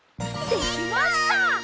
できました！